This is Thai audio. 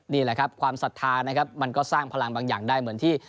นี่แหละครับความศรัทธานะครับมันก็สร้างพลังบางอย่างได้เหมือนที่